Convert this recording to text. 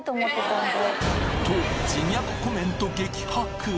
と自虐コメント激白